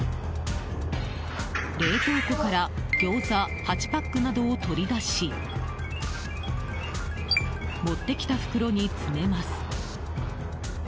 冷凍庫からギョーザ８パックなどを取り出し持ってきた袋に詰めます。